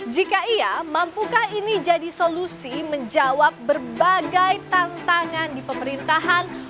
jika iya mampukah ini jadi solusi menjawab berbagai tantangan di pemerintahan